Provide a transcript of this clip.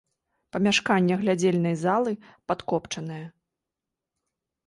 Памяшканне глядзельнай залы падкопчанае.